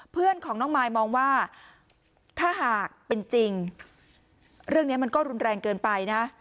เพื่อนของน้องมายมองว่าถ้าหากเป็นจริงเรื่องนี้มันก็รุนแรงเกินไปนะ